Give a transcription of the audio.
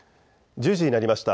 １０時になりました。